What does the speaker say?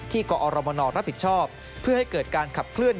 กอรมนรับผิดชอบเพื่อให้เกิดการขับเคลื่อ